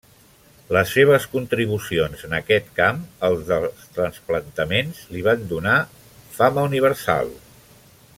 Les seves contribucions en aquest camp, el dels trasplantaments, li van donar fama universal.